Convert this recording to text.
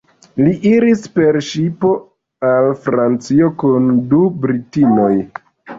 Li iris per ŝipo al Francio kun du britinoj.